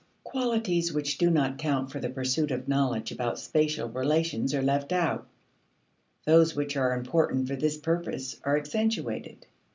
Qualities which do not count for the pursuit of knowledge about spatial relations are left out; those which are important for this purpose are accentuated.